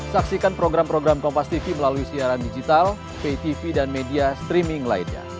saksikan program program kompastv melalui siaran digital ptv dan media streaming lainnya